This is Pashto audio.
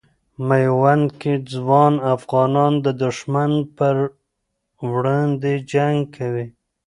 میوند کې ځوان افغانان د دښمن پر وړاندې جنګ کوي.